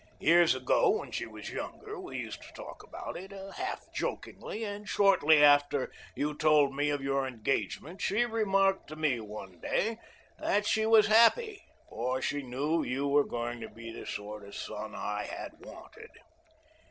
Years ago when she was younger we used to talk about it half jokingly and shortly after you told me of your engagement she remarked to me one day that she was happy, for she knew you were going to be the sort of son I had wanted.